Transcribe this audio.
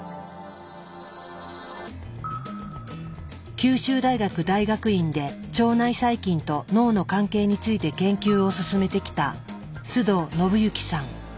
九州大学大学院で腸内細菌と脳の関係について研究を進めてきた須藤信行さん。